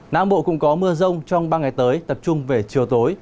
nắng bộ cũng có mưa rông trong ba ngày tới tập trung về chiều tối